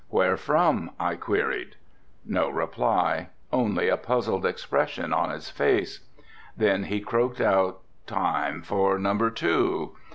"Where from?" I queried. No reply, only a puzzled expression on his face. Then he croaked out, "Time for number two."